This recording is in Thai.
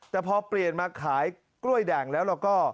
แต่พอเปลี่ยนมาขายกล้วยด่างแล้วเราก็